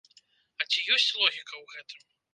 А ці ж ёсць логіка ў гэтым?